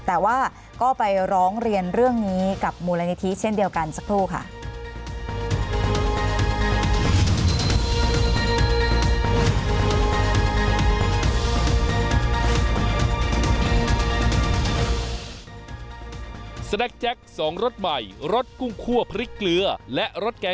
แต่ว่าก็ไปร้องเรียนเรื่องนี้กับมูลนิธิเช่นเดียวกันสักครู่ค่ะ